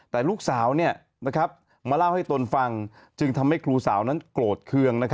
แต่ลูกสาวมาเล่าให้ตนฟังจึงทำให้ครูสาวนั้นโกรธเครื่อง